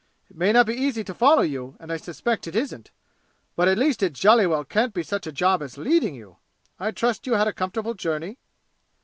It may not be easy to follow you, and I suspect it isn't, but at least it jolly well can't be such a job as leading you! I trust you had a comfortable journey?"